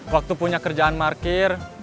waktu punya kerjaan markir